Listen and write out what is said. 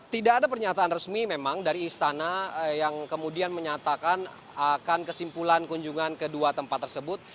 tidak ada pernyataan resmi memang dari istana yang kemudian menyatakan akan kesimpulan kunjungan kedua tempat tersebut